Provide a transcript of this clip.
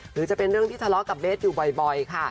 หรือจะเป็นเรื่องที่ทะเลาะกับเบสอยู่บ่อยค่ะ